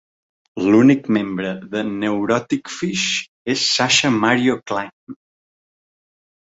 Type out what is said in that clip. L'únic membre de Neuroticfish és Sascha Mario Klein.